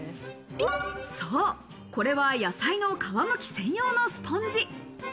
そう、これは野菜の皮むき専用のスポンジ。